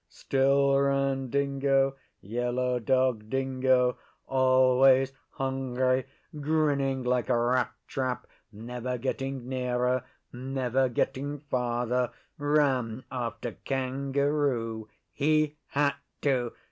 Still ran Dingo Yellow Dog Dingo always hungry, grinning like a rat trap, never getting nearer, never getting farther, ran after Kangaroo. He had to!